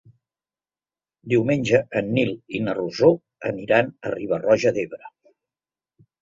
Diumenge en Nil i na Rosó aniran a Riba-roja d'Ebre.